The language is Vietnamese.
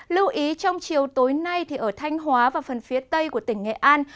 lưu ý trong chiều tối nay ở thanh hóa và phần phía tây của tỉnh nghệ an